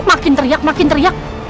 makin teriak makin teriak